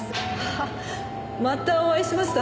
あっまたお会いしましたね。